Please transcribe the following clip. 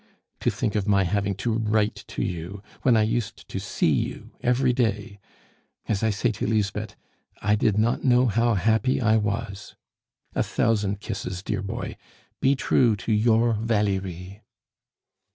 To think of my having to write to you, when I used to see you every day. As I say to Lisbeth, 'I did not know how happy I was.' A thousand kisses, dear boy. Be true to your "VALERIE."